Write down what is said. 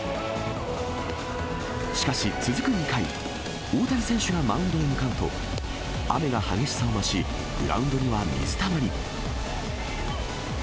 しかし、続く２回、大谷選手がマウンドに向かうと、雨が激しさを増し、グラウンドには水たまり。